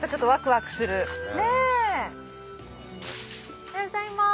おはようございます。